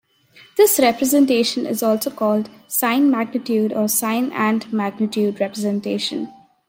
This representation is also called "sign-magnitude" or "sign and magnitude" representation.